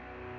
di point pak